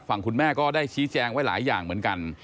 คุณแม่ก็ได้ชี้แจงไว้หลายอย่างเหมือนกัน